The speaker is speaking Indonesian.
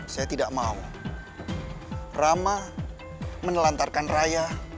saya tidak mau ramah menelantarkan raya